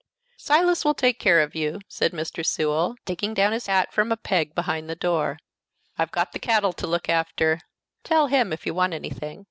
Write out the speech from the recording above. "Silas will take care of you," said Mr. Sewell, taking down his hat from a peg behind the door. "I've got the cattle to look after. Tell him if you want anything."